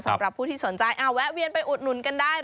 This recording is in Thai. สำหรับผู้ที่สนใจแวะเวียนไปอุดหนุนกันได้